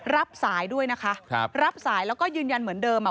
รับสายด้วยนะคะรับสายแล้วก็ยืนยันเหมือนเดิม